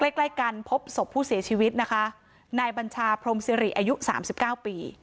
ใกล้ใกล้กันพบศพผู้เสียชีวิตนะคะนายบัญชาพรมสิริอายุสามสิบเก้าปี